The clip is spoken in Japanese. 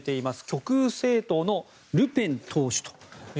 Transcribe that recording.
極右政党のルペン党首。